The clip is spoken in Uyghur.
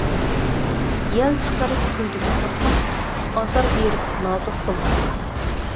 يەل چىقىرىپ تۇيدىمۇ قورساق ئازار بېرىپ نازۇك دىللارغا؟ !